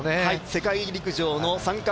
世界陸上の参加